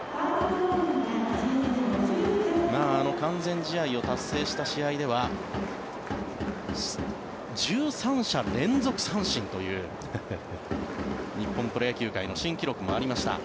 完全試合を達成した試合では１３者連続三振という日本プロ野球界の新記録もありました。